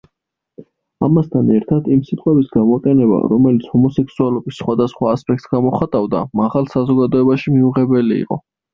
ამასთან ერთად, იმ სიტყვების გამოყენება, რომელიც ჰომოსექსუალობის სხვადასხვა ასპექტს გამოხატავდა, მაღალ საზოგადოებაში მიუღებელი იყო.